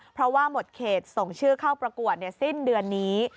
เพราะว่าหมดเขตส่งชื่อเข้าประกวดสิ้นเดือนนี้